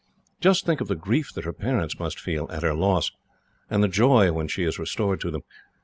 Just think of the grief that her parents must feel, at her loss, and the joy when she is restored to them.